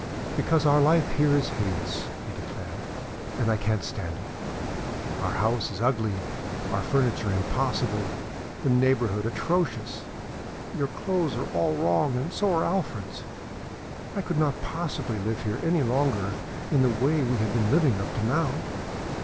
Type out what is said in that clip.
"Because our life here is hideous," he declared, "and I can't stand it. Our house is ugly, our furniture impossible, the neighborhood atrocious. Your clothes are all wrong and so are Alfred's. I could not possibly live here any longer in the way we have been living up to now."